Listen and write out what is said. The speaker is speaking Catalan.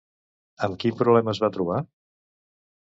Amb quin problema es va trobar?